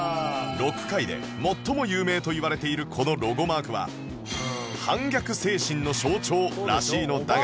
ロック界で最も有名といわれているこのロゴマークは反逆精神の象徴らしいのだが